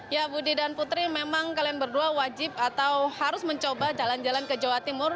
ya budi dan putri memang kalian berdua wajib atau harus mencoba jalan jalan ke jawa timur